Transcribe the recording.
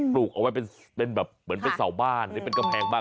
ปลูกเอาไว้เป็นแบบเหมือนเป็นเสาบ้านหรือเป็นกำแพงบ้าน